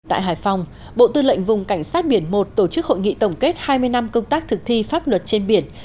tại hải phòng bộ tư lệnh vùng cảnh sát biển một tổ chức hội nghị tổng kết hai mươi năm công tác thực thi pháp luật trên biển